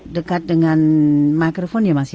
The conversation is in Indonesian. dekat dengan microphone ya mas ya